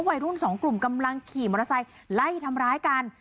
วัยรุ่นสองกลุ่มกำลังขี่มอเตอร์ไซค์ไล่ทำร้ายกัน